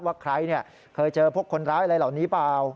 ว่าใครเคยเจอพวกคนร้ายอะไรเหล่านี้เปล่า